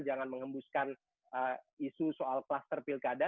jangan mengembuskan isu soal kluster pilkada